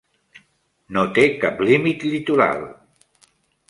No té cap límit litoral.